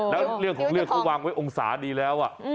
แล้วเรื่องของเลือดเขาวางไว้องศาดีแล้ว